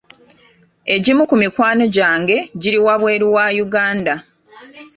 Egimu ku mikwano gyange giri wabweru wa Uganda.